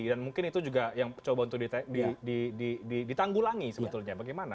dan mungkin itu juga yang coba untuk ditanggulangi sebetulnya bagaimana